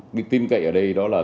cái tin cậy ở đây đó là